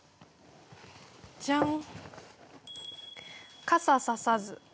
じゃん。